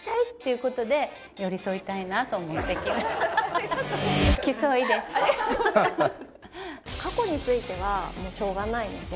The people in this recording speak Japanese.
ありがとうございます。